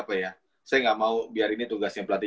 saya gak mau biar ini tugas yang pelatih